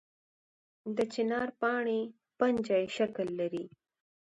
د چنار پاڼې پنجه یي شکل لري